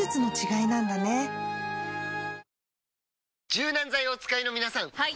柔軟剤をお使いの皆さんはい！